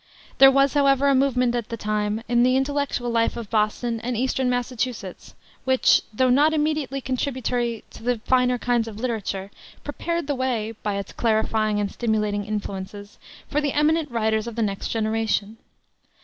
There was, however, a movement at this time in the intellectual life of Boston and Eastern Massachusetts, which, though not immediately contributory to the finer kinds of literature, prepared the way, by its clarifying and stimulating influences, for the eminent writers of the next generation.